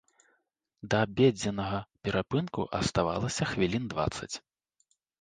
Да абедзеннага перапынку аставалася хвілін дваццаць.